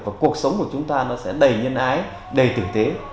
và cuộc sống của chúng ta nó sẽ đầy nhân ái đầy tử tế